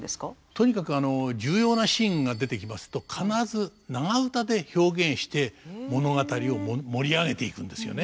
とにかく重要なシーンが出てきますと必ず長唄で表現して物語を盛り上げていくんですよね。